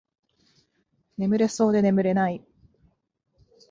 眠れそうで眠れない